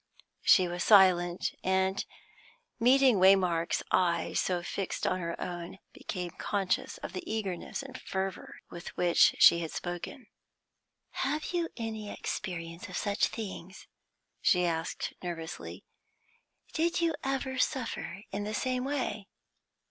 She was silent, and, meeting Waymark's eyes so fixed on her own, became conscious of the eagerness and fervour with which she had spoken. "Have you any experience of such things?" she asked nervously. "Did you ever suffer in the same way?"